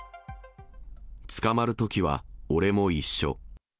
捕まるときは俺も一緒。